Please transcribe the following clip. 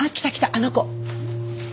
あの子。